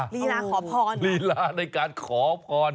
ลีลาขอพรเหรอโอ้โฮลีลาในการขอพร